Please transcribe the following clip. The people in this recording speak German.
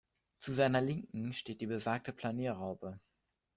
Zu seiner Linken steht die besagte Planierraupe.